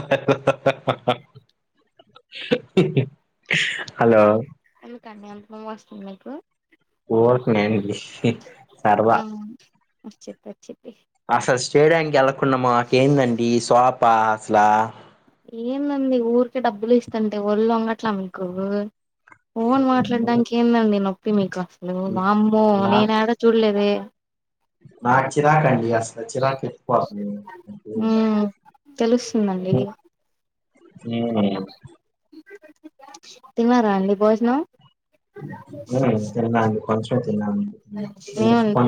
ఆహా ఆహా ఉహూ హు హలో కన్యాంతరం వస్తుంది మీకు ఓవర్క్ నేను విశి సర్వా వచ్చిత్ వచ్చిద్ది అసలు స్టేడియం గెలక్ కున్నామాక్ ఏందండి స్ప్ ప హసలా ఏందండి ఊరికే డబ్బులు ఇస్తంటే ఒళ్ళు వంగట్లా మీకు ఫోన్ మాట్లాడడానికి ఏందండి నొప్ తి మీకా హలో వామ్మో నేను ఎడా చూడలేదు నా చిరాకండి అసలు చిరాక్ ఎక్కువ ఉమ్ తెలుస్తుందండి తిన్నారా అండి భోజనం ఉమ్మ్ తిన్న అండి కొంచెం తిన్నా ఏమండి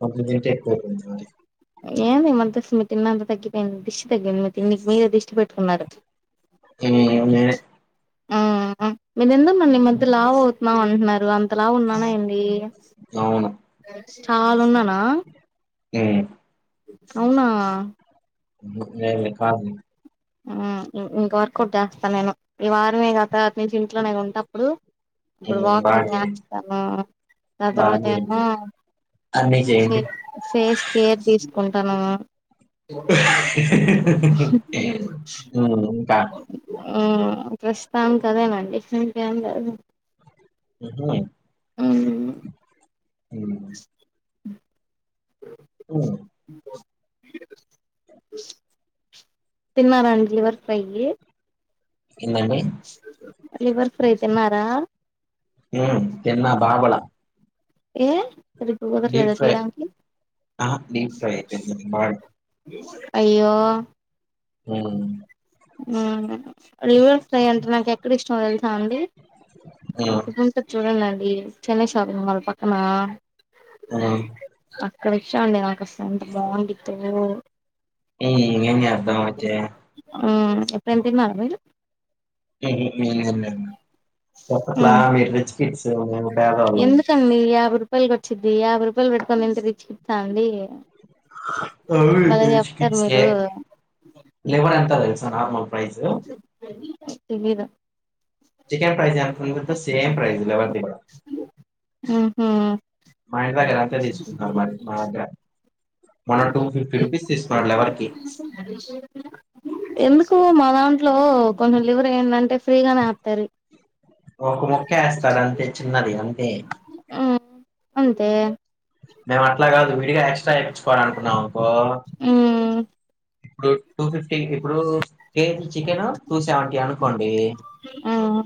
కొంచెం తింటే ఎక్కువవుతుంది మరి ఏంది మంత మీ తిన్న అంతా తగ్గిపోయింది దిష్టి తగ్గింది మీ తిండికి మీరే దిష్టి పెట్టుకున్నారు ఉమ్మ్ ఏ ఆఆ మీరు ఎందుకు మల్ల ఈమధ్య లావు అవుత్ లావ్ అంటున్నారు అంతలా లావు ఉన్నానా ఏంది అవును అ చాలన్నానా హ అవునా న కా ఇంకా వర్కౌట్ చేస్తా నేను ఈ వారమే అతత న చింట్నే ఉంంది అప్పుడు ఇప్పుడు ఉమ్ బాగా వాకింగ్ చేయండి చేస్తాను ద బాగా తర్వాత చేయండి ఏమోే అన్నీ చేయండి ఫేస్ కేర్ తీసుకుంటా తన ఇకా ఆ ప్రస్తుతాం కదేనండి ఫెంట్ ఏం లే ఉహు అ అ ఉమ్ అ ఉమ్ అ తన్నారం లివర్ ఫై ఎమ లివర్ ఫ్రై తిన్నారా ఎన్న బాబల ఏ సరిగ్గా డీప్ కుదరలేదా ఫ్రై చేయడానికి ఆ ీప్ ఫ్రై ఎ అయ్యో హ్మ్ లివర్ ఫ్రై అంటే నాకు ఎక్కడ ఇష్టమో తెలుసాం అండి హ్మ్ అక్కడ చూడంలేండి చెన్నై షాపింగ్ వాళ్ళ పక్కనా ఆ అక్కడ ఇచ్చాండి నాకుస అంత బాగుంట్ ఏన్ ఎప్పుడుెంతన్నారు మీలు హమ్ హమ్ హు చెప్పట్లా అ మీర రజకి ఎందు తండి యాభ రూపా రపాయల్లు కొొచ్చిది యా రూపాయల్ బట్టుకంంత ర ఇచ్చితా అండి [unintelligible] భలే రిచ్ చెప్తారు కిడ్స్ మీరు గాయ్ లేవలే అంత త నార్మల్ ప్రైస్ [unintelligible] జని తెలీదా చికెన్ ప్రైస్ ఎంతంది సేమ్ ప్రైజ్ ఎవరి ద్ర ఉహు మా ఇంటి దగ్గర అంతే తీసుకుంటున్నారు మరి మా దగ్ మన టూ ఫిఫ్టీ రూపీస్ తీస్తున్నారు లెవర్కి ఎందుకు మాలంద్ లో కొంచెం లివర్ ఎందాంటే ఫ్రీగానే ఎత్తారు ఒక ముక్క వేస్తాడు అంతే చిన్నది అంతే అంతే మేము అట్లా కాదు విడిగా ఎక్స్ట్రా ఇచ్చుకోవాలి అనుకున్నాం అంకో ఉమ్ ఇప్పుడు టూ ఫిఫ్టీ ఇప్పుడు కేజీ చికెన్ టూ సెవెంటీ అనుకోండి ఉమ్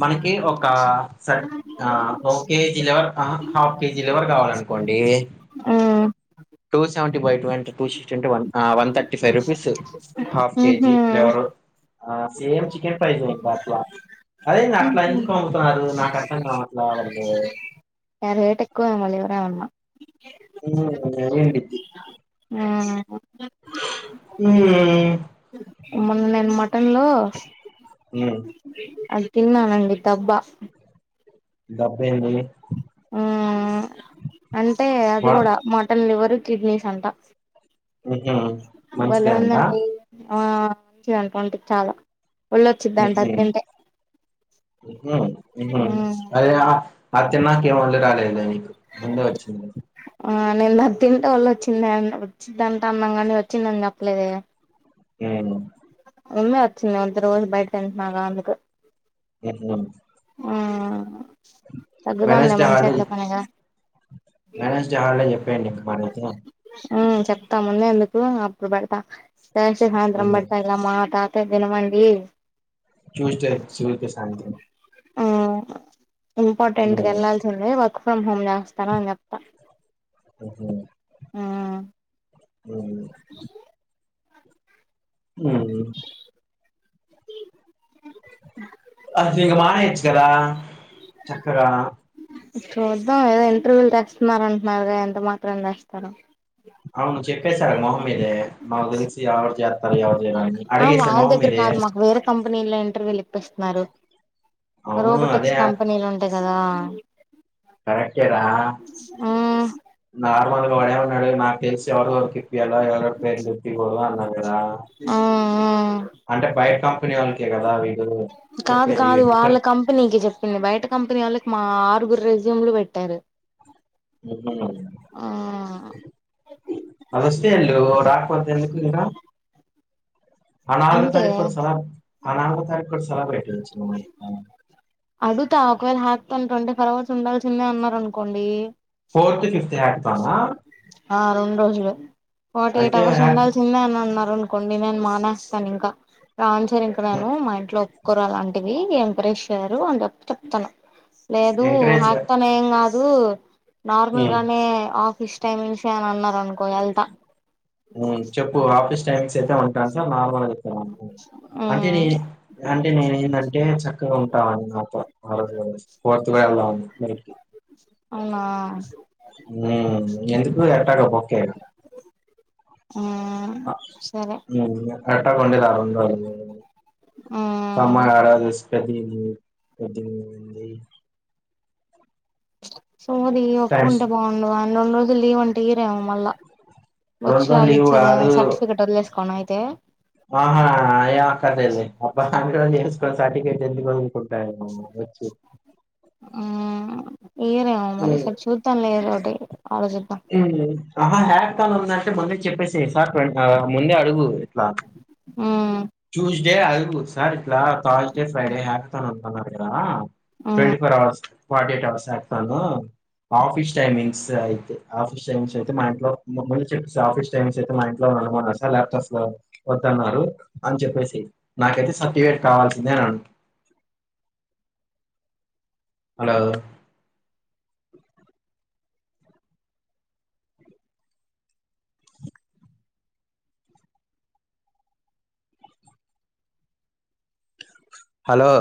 మనకి ఒక స ఓ KG liver half KG liver కావాల అనుకోండి ఉమ్ టూ సెవెంటీ బై టెంట్ టూ అంటే టూ సిక్స్టీ అంటేన్ one thirty five rupees half ఉహు కేజీ లివరు ఆ సేమ్ చికెన్ ఫ్రైస్ ఇంకా అట్లా అదేందిర్ అట్లా ఉహు ఎందుకు అమ్ముతున్నారు నాకు అర్థం కా అట్లా వాళ్ళ య రేట ఎక్కువ మళ్ళీ లివర్ ఎయిమన్నా ఉమ్ అదే అండి ఆహ్ హా మొన్న నేను మట్ హాలోస్ ఉమ్ అది తిన్నానండి తబ్బా డబ్ ఏంది ఉమ్ అంటే అది వన్ కూడా మటన్ లివర్ [unintelligible] కిడ్నీస్ అంటా ఉహు మంచిదే అంటా ఆ మంచి అనుకోండి చాలా ఒళ్ళొచ్చిద్దంట అది తింటే మ్మ్ అరే వ అత్త నా కే ఒళ్ళో రాలే రై ఉండవచ్చు మే బి ఆ నేను ద తింటే వాళ్ళు వచ్చింద వచ్చిందంటా అన్నాం కాండి వచ్చిందని చెప్పలేద ఉమ్ ఉమ్మే వచ్చుంది అంత రోజు బయట తింటున గ అందుకు ఉ హు ఆ వెస్ట హాల వెస్ట హాలప్పే ని కమానే చెప్తా ముందే ఎందుకు అప్పుడు పెడతా జష సాాంత్రం ఉమ్ బడతాలా మ మాతా దినమండి చూజట శిూల్కి శాంతని ఆ ఇంపార్టెంట్కి ఉమ్ వెళ్లాల్సిందే వర్క్ ఫ్రమ్ హోమ్ చేస్తాను అని చెప్తాను హ ఆ అ అ అది ఇంగ మానచ్చ కదా చక్కరా చూద్దాం ఏదో ఇంటర్వ్యూలు తెస్తున్న అంటున్నారు ఎంత మాత్రం రాస్తారు అవును చెప్పేశారు మొహమ్మీద మాద స జత సరేాల ఆ వాళ్దగ్ కారమా వే కంపెనీలేటి విలిపిస్తున్నారు అవును అదే రోబోటిక్స్ కంపెనీలు ఉంటాయి కదా అ మ్మ్ నార్మల్గా వాడే ఉన్నాడు నాకు తెలిసి ఎవరి వర్కు ఇప్పలో ఎవరి పేరు ఇప్పదు అన్నాది కద మ్మ్ అంటే బైట కం కొనుక కదా అ కాదు కాదు వాళ్ళ కంపెనీకి చెప్పింది బయట కంపెనీ వాళ్ళకి మా పరుగురు రెజ్యమ్లు పెట్టారు ఆ అదస్తే అ రాక మత ఎందుకు మీరా అనాాలుగగు అంతే తారీకుు సె అ నాలుగు తారీఖు సెలబ్రేట్ అడుగుతా అవల్ హాక్తంట ఉం పర్వచ ఉండాల్సిందే అన్నారు అనుకోండి ఫోర్త్ ఫిఫత్ హక్తానా ఆ రెండు రోజులు ఫార్టీ ఎయిట్ అవర్స్ హ్యాక్ ఉండాల్సిందే అని అన్నారు కొనన్ మానస్తాను ఇంకా రా సర ఇంక నేను మా ఇంట్లో అలాంటివి ఎంప్రెస్ చేయ్యారు. అని చెప్పి చెప్తాను లేదు ఎంకరేజ్ గా ఆక్తానే ఏం కాదు ఉ నార్మల్ ఉమ్, గానే ఆఫీస్ టైమింగ్స్ ఏమ్మాన్నారండి చెప్పు ఆఫిస్ టైమ్స్ [unintelligible] అంటే మ్మ్ నేన్ అంటే నేను ఏమ్ అంటే చక్కగా ఉంటావా నువ్ నాతో [unintelligible] అవునా ఇంకెందుకు ఎటగో బొక్కే గా మ్మ్ సరే ఉమ్మా ఎందుకు [unintelligible] [unintelligible] మ్మ్ తమ్ముడు ఆ రోజు [unintelligible] [unintelligible] సోది ఒప్పు టైమ్స్ కుంటే బాగుండు ఆ రెండు రోజుల్ లీవ్ అంటే ఇయ్యారే మళ్ళ వచ్చి రెండు రోజులు వాళ్ళ లీవ్ ఇచ్చేదా కాదు సర్టిఫికెట్ వదిలేసుకోన ఇ తే ఆహా అయకట్ అయ్యింది. [unintelligible] ఒక్క సర్టిఫికెట్ తెచ్చుకోండి [unintelligible] మంచిగా ఉంది. ఏయరేమో మరి ఒక్కసారి చూద్దాం ఏదో ఒక్కటి [unintelligible] అంటే మళ్ళీ చెప్పేసేయ్ సార్ పెడ్తారా ముందే అడుగు చూషి ఇదే అడుగు సార్ ఇలా థర్స్ డే ఫ్రైడే [unintelligible] నన్ అడిగిరా twenty four hours forty eight hours ఎట్లనో ఆఫీస్ టైమింగ్స్ అయితే ఆఫీస్ టైమింగ్స్ అయితే మా ఇంట్లో ముందు చెప్పేసి ఆఫీస్ టైమింగ్స్ అయితే మా ఇంట్లో నుమా సార్ ల్యాప్టాప్స్ లో వద్దన్నారు అని చెప్పేసి నాకైతే సర్టిఫికేట్ కావాల్సిందే అని అడుగో, హలో హలో